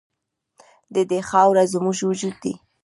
د دې خاوره زموږ وجود دی